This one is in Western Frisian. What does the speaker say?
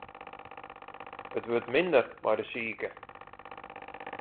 It wurdt minder mei de sike.